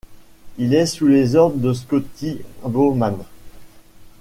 Il est sous les ordres de Scotty Bowman.